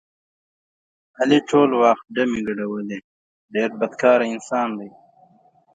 علي ټول وخت ډمې ګډولې ډېر بدکاره انسان دی.